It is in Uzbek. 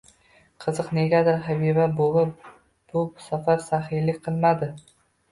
Qiziq, negadir Habiba buvi bu safar saxiylik qilmadi.